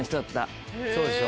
そうでしょ。